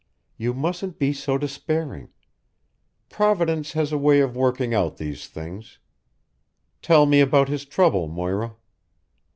You mustn't be so despairing. Providence has a way of working out these things. Tell me about his trouble, Moira."